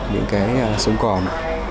những cái sống còn